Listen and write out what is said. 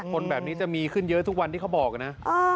คนแบบนี้จะมีขึ้นเยอะทุกวันที่เขาบอกนะ